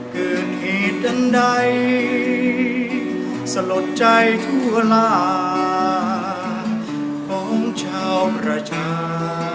เกิดเหตุอันใดสลดใจทั่วลาของชาวประชา